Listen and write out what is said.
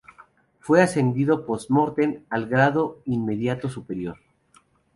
Fue ascendido post-mortem al grado inmediato superior.